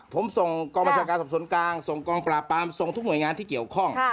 ผมส่งกองบัญชาการสอบสวนกลางส่งกองปราบปรามส่งทุกหน่วยงานที่เกี่ยวข้อง